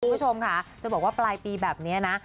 คุณผู้ชมค่ะจะบอกว่าปลายปีแบบนี้นะ